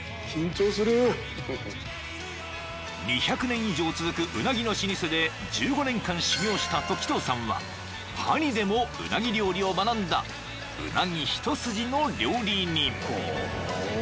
［２００年以上続くうなぎの老舗で１５年間修業した時任さんはパリでもうなぎ料理を学んだうなぎ一筋の料理人］